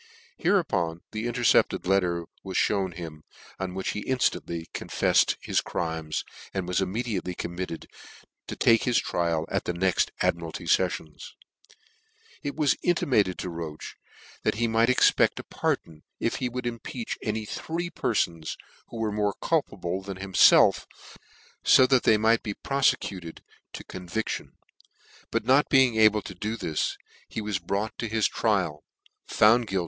Hereupon the intercepted let ter was (hewn him, on which he inftantly confef fcd his crimes, and was immediately committed to take his trial at the next Admiralty feffions. It was imimaccd to Roche that he might expect a pardon, if he would impeach any three perfons who were more culpable than himfelf, ib thac they might be profecuted to conviction : but not being able to do this, he was brought to his trial, NEW NEWGATE CALANDAR.